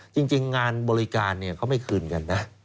จริงงานบริการเขาไม่คืนกันนะ